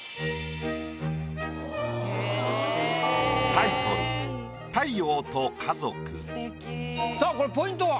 タイトルさあこれポイントは？